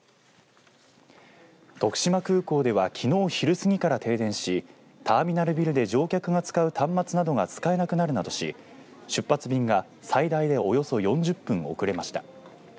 徳島空港ではきのう昼過ぎから停電しターミナルビルで乗客が使う端末などが使えなくなるなどし出発便が最大でおよそ４０分遅れました。